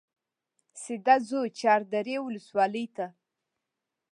سیده ځو چاردرې ولسوالۍ ته.